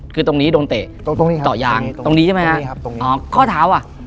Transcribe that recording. คือตรงนี้โดนเตะต่อยางตรงนี้ใช่ไหมครับข้อเท้าอะคือตรงนี้ครับตรงนี้ครับ